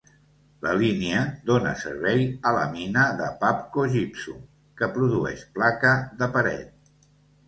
La línia dona servei a la mina de Pabco Gypsum que produeix placa de paret.